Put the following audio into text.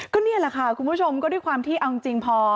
ก็นี่แหละค่ะคุณผู้ชมก็ด้วยความที่เอาจริงพอ